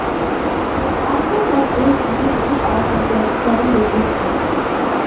The concept was based loosely off of The Seven Deadly Sins.